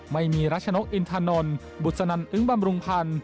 ไม่มีรัชนกอินทานนท์บุษนันอึ้งบำรุงพันธ์